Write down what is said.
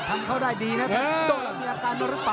โดนเข้าได้ดีนะโดนแล้วมีอาการมาหรือเปล่า